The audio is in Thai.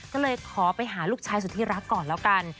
ก็เลยขอไปหาลูกชายสุดที่รักก่อนแล้วกัน